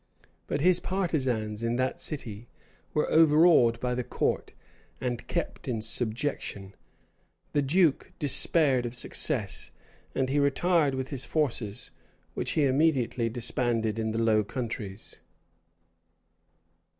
But his partisans in that city were overawed by the court, and kept in subjection: the duke despaired of success; and he retired with his forces, which he immediately disbanded in the Low Countries.